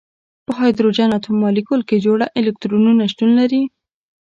په هایدروجن اتوم مالیکول کې جوړه الکترونونه شتون لري.